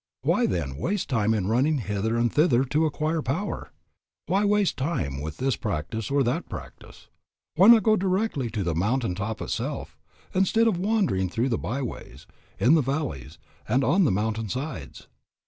Why, then, waste time in running hither and thither to acquire power? Why waste time with this practice or that practice? Why not go directly to the mountain top itself, instead of wandering through the by ways, in the valleys, and on the mountain sides?